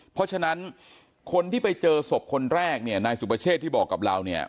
เพราะฉะนั้นคนที่ไปเจอศพคนแรกเนี่ยนายสุประเชษที่บอกกับเราเนี่ย